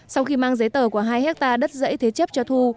sau khi mang giấy tờ của hai hectare đất dãy thế chấp cho thu